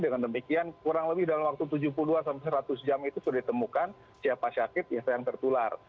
dengan demikian kurang lebih dalam waktu tujuh puluh dua sampai seratus jam itu sudah ditemukan siapa sakit yang tertular